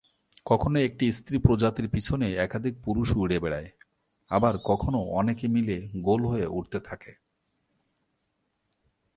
কখনো একটি স্ত্রী প্রজাপতির পিছনে একাধিক পুরুষ উড়ে বেড়ায়; আবার কখনো অনেকে মিলে গোল হয়ে উড়তে থাকে।